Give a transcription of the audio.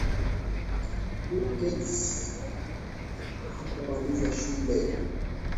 Bill Gates hakumaliza shule